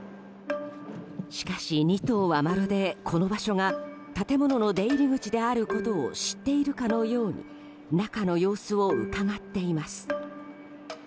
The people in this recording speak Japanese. しかし、２頭はまるでこの場所が建物の出入り口であることを知っているかのように中の様子をうかがっています。